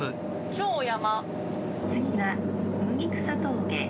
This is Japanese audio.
超山！